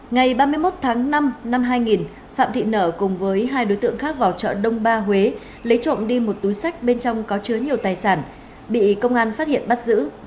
ngày ba mươi một tháng năm năm hai nghìn phạm thị nở cùng với hai đối tượng khác vào chợ đông ba huế lấy trộm đi một túi sách bên trong có chứa nhiều tài sản bị công an phát hiện bắt giữ